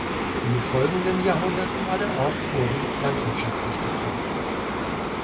In den folgenden Jahrhunderten war der Ort vorwiegend landwirtschaftlich geprägt.